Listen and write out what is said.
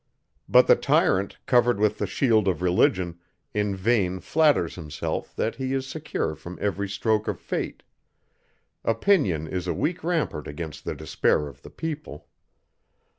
But the tyrant, covered with the shield of religion, in vain flatters himself that he is secure from every stroke of fate; opinion is a weak rampart against the despair of the people.